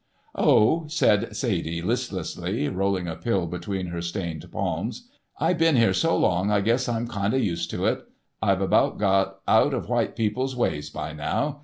"Oh!" said Sadie, listlessly, rolling a pill between her stained palms, "I been here so long I guess I'm kind of used to it. I've about got out of white people's ways by now.